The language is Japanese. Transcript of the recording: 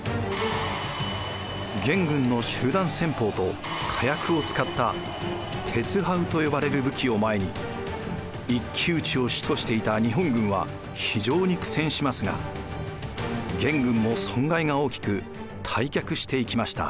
元軍の集団戦法と火薬を使ったてつはうと呼ばれる武器を前に一騎打ちを主としていた日本軍は非常に苦戦しますが元軍も損害が大きく退却していきました。